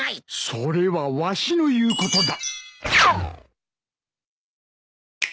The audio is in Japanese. それはわしの言うことだ。